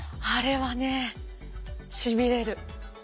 あれはねしびれる。